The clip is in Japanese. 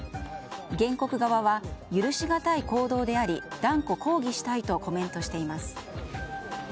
原告側は許しがたい行動であり断固抗議したいとコメントしています。